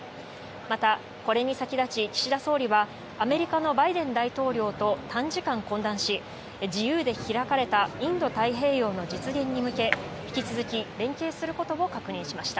また、これに先立ち岸田総理はアメリカのバイデン大統領と短時間、懇談し自由で開かれたインド太平洋の実現に向け引き続き連携することも確認しました。